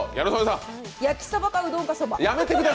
焼きそばか、うどんか、そば。